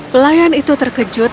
pelayan itu terkejut